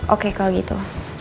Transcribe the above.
oke kalau gitu